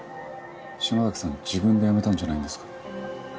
島崎さん自分で辞めたんじゃないんですか？